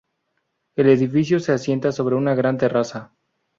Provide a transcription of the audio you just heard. El edificio se asienta sobre una gran terraza.